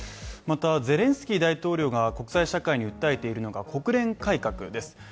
ゼレンスキー大統領が国際社会に訴えているのが国連改革です。